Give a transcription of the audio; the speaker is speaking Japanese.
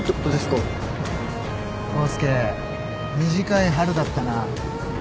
康介短い春だったな。